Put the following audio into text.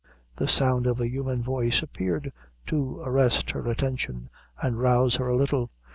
The sound of a human voice appeared to arrest her attention, and rouse her a little.